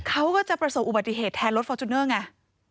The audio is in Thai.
เขาก็จะประสบอุบัติเหตุแทนรถฟอร์จูเนอร์ไง